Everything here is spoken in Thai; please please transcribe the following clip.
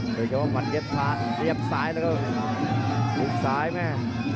โดยเกี่ยวกับมันเย็บซ้ายแล้วก็ถูกซ้ายแม่